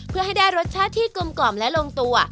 เพื่อให้ได้รสชาติที่กลมกล่อมและลงตัว